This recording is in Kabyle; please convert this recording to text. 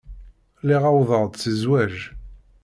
Lliɣ uwḍeɣ-d i zzwaj.